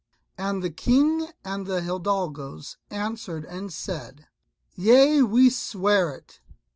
And the King and the hidalgos answered and said, "Yea, we swear it."